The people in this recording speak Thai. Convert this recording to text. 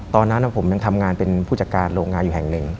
ตอนนั้นผมยังทำงานเป็นผู้จัดการโรงงานอยู่แห่งหนึ่ง